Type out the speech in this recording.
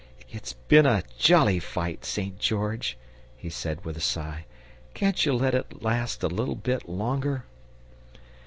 "It's been a jolly fight, St. George!" he said with a sigh. "Can't you let it last a bit longer?"